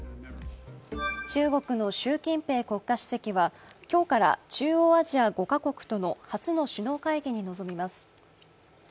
中国の習近平国家主席は今日から中央アジア５か国との初の首脳会議に臨みます。